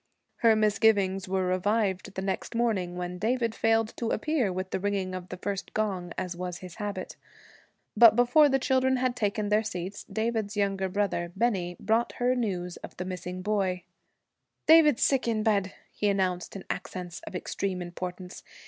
Her misgivings were revived the next morning, when David failed to appear with the ringing of the first gong, as was his habit. But before the children had taken their seats, David's younger brother, Bennie, brought her news of the missing boy. 'David's sick in bed,' he announced in accents of extreme importance.